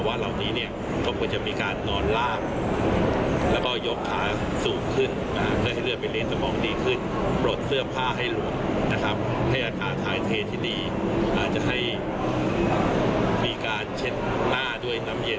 อืมนี่ค่ะคุณผู้ชม